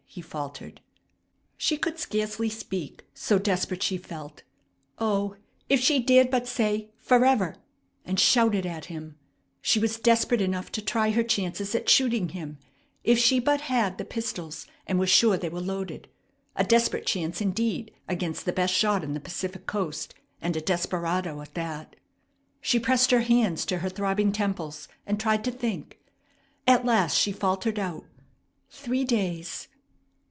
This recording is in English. he faltered. She could scarcely speak, so desperate she felt. O if she dared but say, "Forever," and shout it at him! She was desperate enough to try her chances at shooting him if she but had the pistols, and was sure they were loaded a desperate chance indeed against the best shot on the Pacific coast, and a desperado at that. She pressed her hands to her throbbing temples, and tried to think. At last she faltered out, "Three days!"